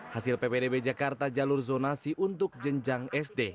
hasil ppdb jakarta jalur zonasi untuk jenjang sd